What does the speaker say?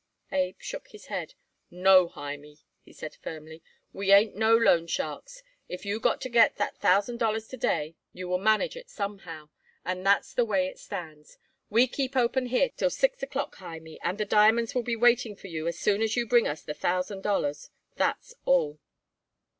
Abe shook his head. "No, Hymie," he said firmly, "we ain't no loan sharks. If you got to get that thousand dollars to day you will manage it somehow. So that's the way it stands. We keep open here till six o'clock, Hymie, and the diamonds will be waiting for you as soon so you bring us the thousand dollars. That's all."